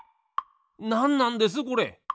なんなんですこれ？